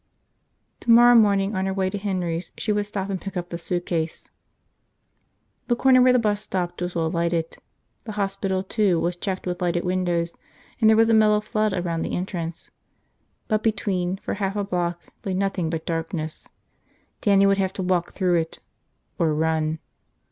Tomorrow morning, on her way to Henry's, she would stop and pick up the suitcase. The corner where the bus stopped was well lighted. The hospital, too, was checked with lighted windows and there was a mellow flood around the entrance. But between, for half a block, lay nothing but darkness. Dannie would have to walk through it. Or run.